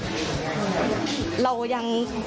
และก็มีการกินยาละลายริ่มเลือดแล้วก็ยาละลายขายมันมาเลยตลอดครับ